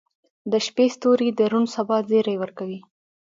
• د شپې ستوري د روڼ سبا زیری ورکوي.